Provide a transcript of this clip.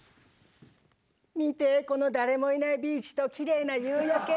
見てこの誰もいないビーチときれいな夕焼け。